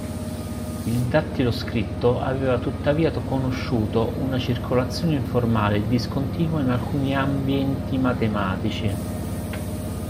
Il dattiloscritto aveva tuttavia conosciuto una circolazione informale e discontinua in alcuni ambienti matematici.